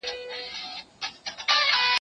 زه اوږده وخت د کتابتون پاکوالی کوم!